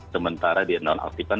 sementara di nonaktifkan